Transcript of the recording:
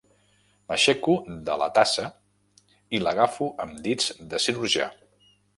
M'aixeco de la tassa i l'agafo amb dits de cirurgià.